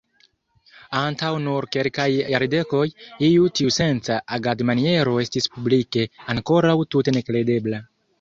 Antaŭ nur kelkaj jardekoj, iu tiusenca agadmaniero estis publike ankoraŭ tute nekredebla.